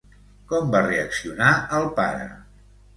Com va reaccionar el pare?